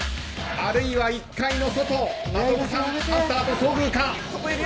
あるいは１階の外で真飛さん、ハンターと遭遇か。